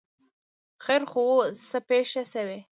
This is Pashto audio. ـ خیر خو وو، څه پېښه شوې؟